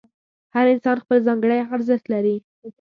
هر انسان خپل ځانګړی ارزښت لري.